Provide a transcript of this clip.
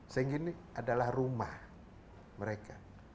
sehingga ini adalah rumah mereka